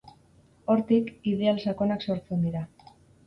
Hortik, ideal sakonak sortzen dira.